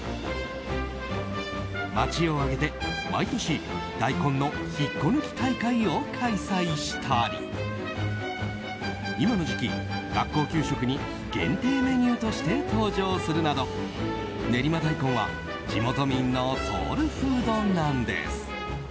町を挙げて毎年大根の引っこ抜き大会を開催したり今の時期、学校給食に限定メニューとして登場するなど練馬大根は地元民のソウルフードなんです。